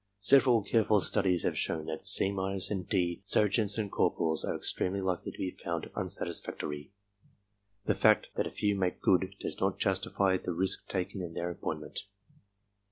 Several careful studies have shown that "C— " and "D" ser geants and corporals are extremely likely to be found unsatis factory. The fact that a few make good does not justify the risk taken in their appointment.